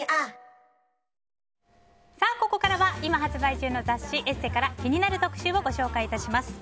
ここからは今発売中の雑誌「ＥＳＳＥ」から気になる特集をご紹介します。